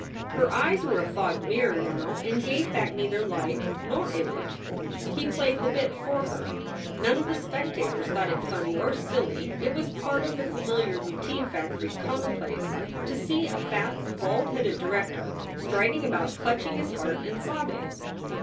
Her eyes were a fogged mirror now and gave back neither light nor image. He played the bit for her. None of the spectators thought it funny or silly. It was part of the familiar routine factory commonplace to see a fat, bald headed director striding about, clutching his heart and sobbing.